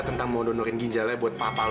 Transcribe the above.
tentang mau donorin ginjalnya buat papa lo